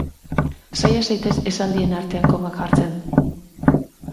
Saia zaitez esaldien artean komak jartzen.